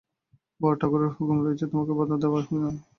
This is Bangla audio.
বড়োঠাকুরের হুকুম হয়েছে তোমাকে বাধা দেওয়া হবে না।